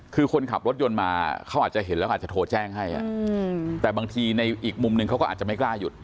คือคนขับรถยนต์มาเขาอาจจะเห็นแล้วอาจจะโทรแจ้งให้แต่บางทีในอีกมุมนึงเขาก็อาจจะไม่กล้าหยุด